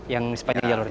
yang sepanjang jalurnya